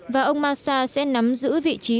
và ông massa sẽ nắm giữ vị trí